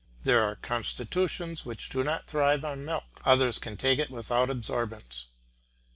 There are constitutions which do not thrive on milk, others can take it without absorbents.